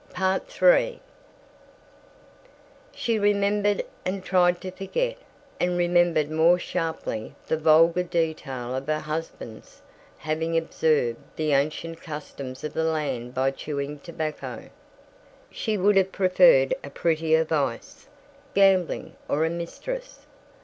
III She remembered, and tried to forget, and remembered more sharply the vulgar detail of her husband's having observed the ancient customs of the land by chewing tobacco. She would have preferred a prettier vice gambling or a mistress.